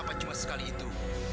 apa cuma sekali itu